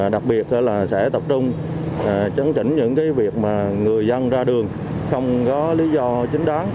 đặc biệt là sẽ tập trung chấn chỉnh những việc mà người dân ra đường không có lý do chính đáng